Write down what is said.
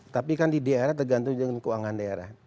tapi daerah tergantung dengan keuangan daerah